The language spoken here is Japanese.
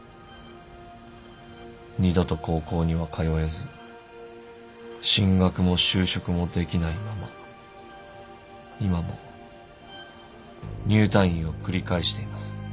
二度と高校には通えず進学も就職もできないまま今も入退院を繰り返しています。